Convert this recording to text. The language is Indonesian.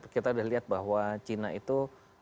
kita sudah lihat bahwa china itu